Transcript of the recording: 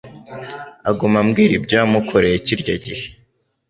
Aguma ambwira ibyo wamukoreye kirya gihe